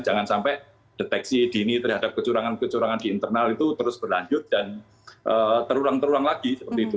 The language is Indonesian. jangan sampai deteksi dini terhadap kecurangan kecurangan di internal itu terus berlanjut dan terulang terulang lagi seperti itu